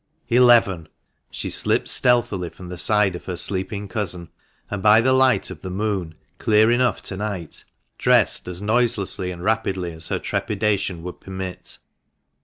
Eleven ! She slipped stealthily from the side of her sleeping cousin, and by the light of the moon, clear enough to night, dressed as noiselessly and rapidly as her trepidation would permit.